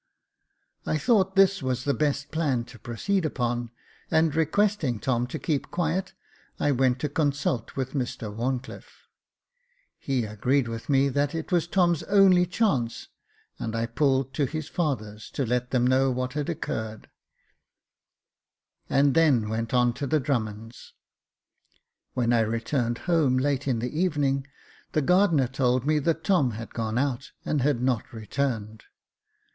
I thought this was the best plan to proceed upon, and requesting Tom to keep quiet, I went to consult with Mr WharnclifFe. He agreed with me, that it was Tom's only Jacob Faithful 409 chance, and I pulled to his father's, to let them know what had occurred, and then went on to the Drummonds. When I returned home late in the evening, the gardener told me that Tom had gone out, and had not returned.